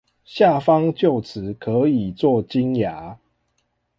下方臼齒可以做金牙